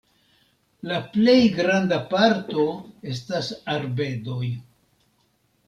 La plej granda parto estas arbedoj.